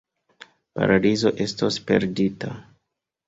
Paradizo estos perdita.